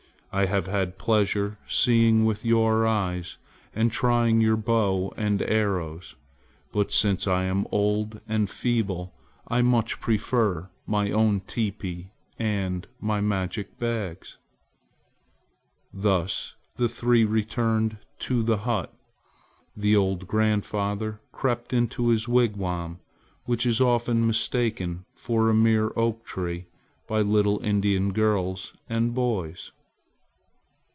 I have had pleasure seeing with your eyes and trying your bow and arrows, but since I am old and feeble I much prefer my own teepee and my magic bags!" Thus talking the three returned to the hut. The old grandfather crept into his wigwam, which is often mistaken for a mere oak tree by little Indian girls and boys.